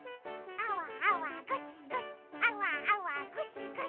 あわあわゴシゴシあわあわゴシゴシ。